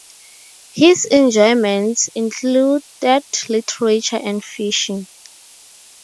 His enjoyments included literature and fishing.